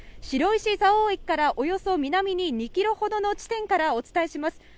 白石蔵王駅からおよそ南に２キロほどの地点からお伝えします。